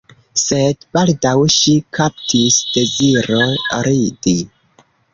Sed baldaŭ ŝin kaptis deziro ridi.